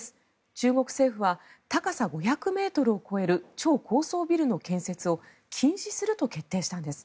中国政府は高さ５００ｍを超える超高層ビルの建設を禁止すると決定したんです。